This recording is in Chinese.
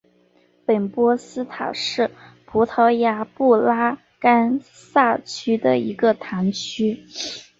本波斯塔是葡萄牙布拉干萨区的一个堂区。